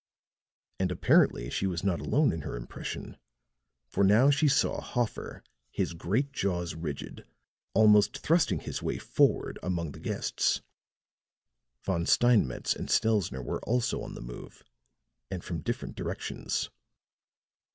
And apparently she was not alone in her impression, for now she saw Hoffer, his great jaws rigid, almost thrusting his way forward among the guests; Von Steinmetz and Stelzner were also on the move, and from different directions.